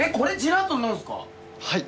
はい。